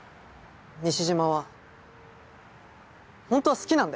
西島はホントは好きなんだよ